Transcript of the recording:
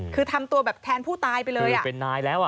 คือทำตัวแบบแทนผู้ตายไปเลยอะ